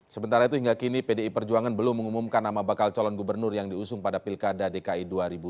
sementara itu hingga kini pdi perjuangan belum mengumumkan nama bakal calon gubernur yang diusung pada pilkada dki dua ribu tujuh belas